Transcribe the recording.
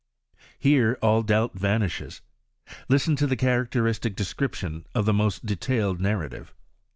Here all doubt vanishes. Listen to the characteristic description of the most detailed narrative.